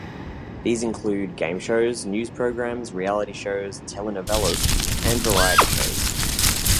These include game shows, news programs, reality shows, telenovelas, and variety shows.